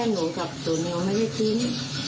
แค่หนูทับตัวหนูไม่ได้ทิ้ง